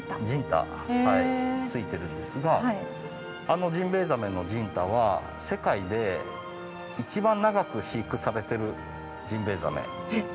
ジンタ付いてるんですがあのジンベエザメのジンタは世界で一番長く飼育されてるジンベエザメです。